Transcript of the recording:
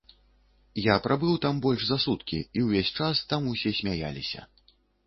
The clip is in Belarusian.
Я прабыў там больш за суткі, і ўвесь час там усе смяяліся.